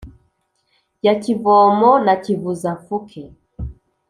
ya kivomo na kivuza-mfuke